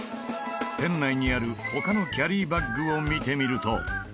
店内にある他のキャリーバッグを見てみると。